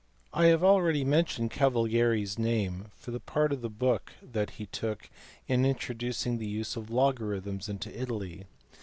I have already mentioned Cavalieri s name for the part that he took in in troducing the use of logarithms into Italy.